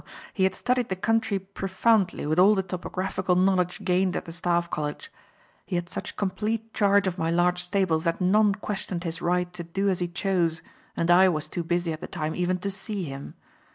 He had studied the country profoundly with all the topographical knowledge gained at the Staff College. He had such complete charge of my large stables that none questioned his right to do as he chose and I was too busy at the time even to see him.